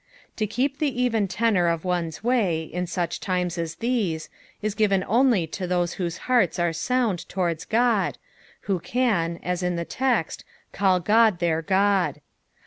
To keep the even tenor of one's way, in sucli fitnei as these, is given only to tbose whose hearts are sound towards God, who can, . as in the text, call Ood tbeir God.